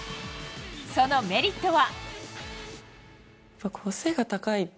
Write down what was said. そのメリットは？